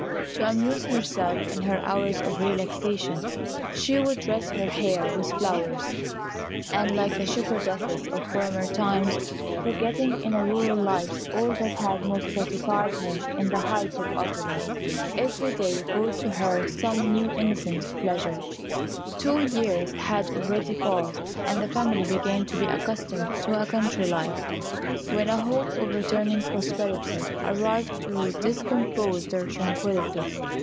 To amuse herself in her hours of relaxation, she would dress her hair with flowers, and, like the shepherdesses of former times, forgetting in a rural life all that had most gratified her in the height of opulence, every day brought to her some new innocent pleasure. Two years had already passed, and the family began to be accustomed to a country life, when a hope of returning prosperity arrived to discompose their tranquillity.